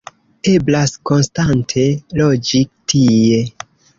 Eblas konstante loĝi tie.